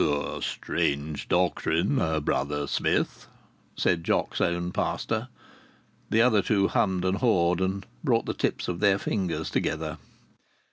"A strange doctrine, Brother Smith!" said Jock's own pastor. The other two hummed and hawed, and brought the tips of their fingers together.